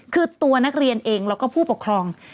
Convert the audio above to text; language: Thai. คือตัวนักเรียนเองแล้วก็ผู้ปกครอง